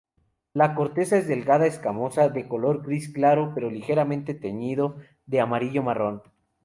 La corteza es delgada, escamosa, de color gris claro, pero ligeramente teñido de amarillo-marrón.